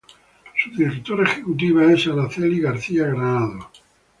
Su Directora Ejecutiva es Aracely García-Granados.